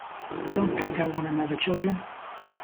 Don't peck at one another, children.